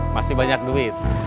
masih banyak duit